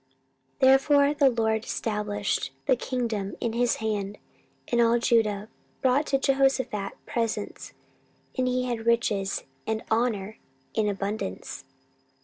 14:017:005 Therefore the LORD stablished the kingdom in his hand; and all Judah brought to Jehoshaphat presents; and he had riches and honour in abundance.